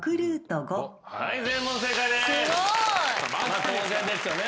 まあ当然ですよね。